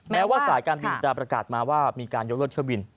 แม้ว่าสายการบินจะประกาศมาว่ามีการยกเลิกเที่ยวบิน